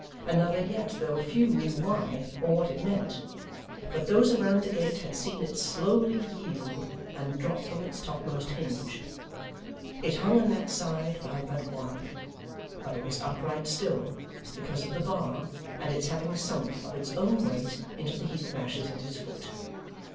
Another yet, though few knew why, or what it meant. But those around the gate had seen it slowly yield, and drop from its topmost hinge. It hung on that side by but one, but it was upright still, because of the bar, and its having sunk, of its own weight, into the heap of ashes at its foot.